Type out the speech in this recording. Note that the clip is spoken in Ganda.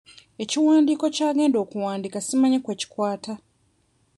Ekiwandiiko ky'agenda okuwandiika simanyi kwe kikwata.